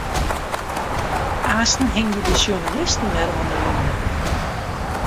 Aansten hingje de sjoernalisten wer oan 'e line.